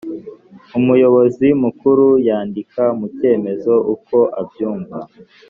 Umuyobozi Mukuru yandika mu cyemezo uko abyumva